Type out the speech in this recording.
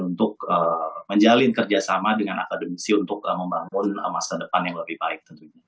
untuk menjalin kerjasama dengan akademisi untuk membangun masa depan yang lebih baik tentunya